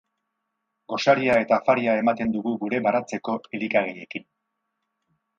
Gosaria eta afaria ematen dugu gure baratzeko elikagaiekin.